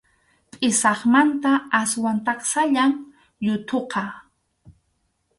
Pʼisaqmanta aswan taksallam yuthuqa.